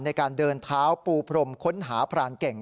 ในการเดินเท้าปูพรมค้นหาพรานเก่ง